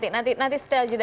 nanti setelah jeda